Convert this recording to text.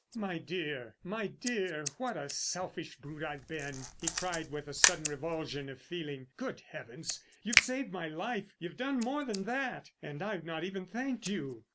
"My dear, my dear, what a selfish brute I've been!" he cried with a sudden revulsion of feeling. "Good heavens, you've saved my life—you've done more than that—and I've not even thanked you."